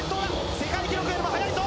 世界記録よりも速いぞ。